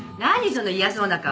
その嫌そうな顔。